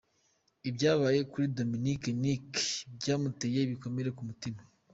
Ibyabaye kuri Dominic Nic byamuteye ibikomere ku mutima.